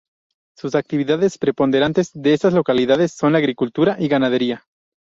Su actividades preponderantes de estas localidades son la agricultura y ganadería.